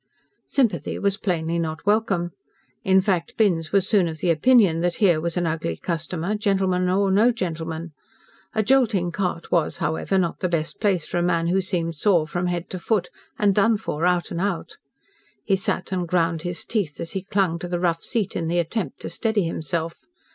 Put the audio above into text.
Sympathy was plainly not welcome. In fact Binns was soon of the opinion that here was an ugly customer, gentleman or no gentleman. A jolting cart was, however, not the best place for a man who seemed sore from head to foot, and done for out and out. He sat and ground his teeth, as he clung to the rough seat in the attempt to steady himself.